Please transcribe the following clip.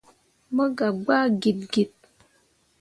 Mo gah gbaa git git.